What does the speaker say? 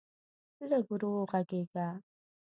لږ ورو غږېږه.